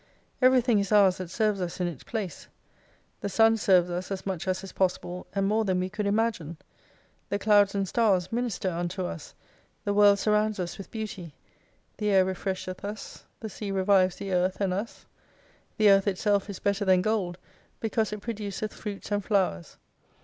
Every thing is ours that serves us in its place. The Sun serves us as much as is possible, and more than we could imagine. The Clouds and Stars minister unto us, the World surrounds us with beauty, the Air refresheth us, the Sea revives the earth and us. The Earth itself is better than gold because it produceth fruits and flowers.